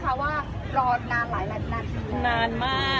นอนมากแต่วันนี้นะนะคะเดี๋ยวขอบคุณเลย